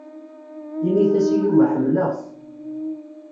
Init-as i Yuba ḥemmleɣ-t.